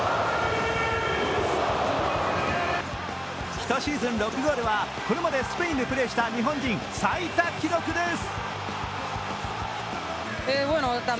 １シーズン６ゴールは、これまでスペインでプレーした日本人最多記録です。